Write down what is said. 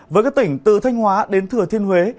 với các tỉnh từ thanh hóa đến thừa thiên huế